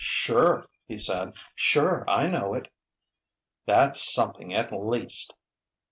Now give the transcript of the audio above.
"Sure," he said "sure I know it." "That's something, at least!"